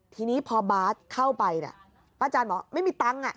ทีนี้พอบาทเข้าไปป้าจันบอกไม่มีตังค์